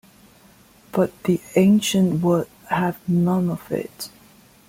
But the ancient would have none of it.